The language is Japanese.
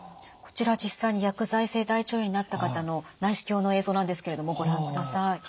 こちらは実際に薬剤性腸炎になった方の内視鏡の映像なんですけれどもご覧ください。